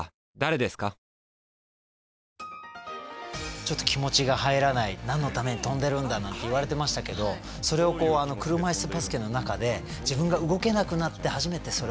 ちょっと気持ちが入らない何のために跳んでるんだなんて言われてましたけどそれをこう車いすバスケの中で自分が動けなくなって初めてそれを感じて。